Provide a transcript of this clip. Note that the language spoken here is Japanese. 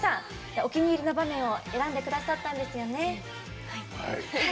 お気に入りの場面を選んでくださったんですよね。